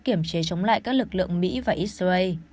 kiểm chế chống lại các lực lượng mỹ và israel